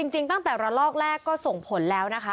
จริงตั้งแต่ระลอกแรกก็ส่งผลแล้วนะคะ